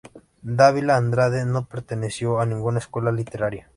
Dávila Andrade no perteneció a ninguna escuela literaria.